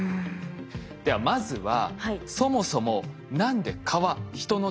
ではまずはそもそも何で蚊は人の血を吸うのか？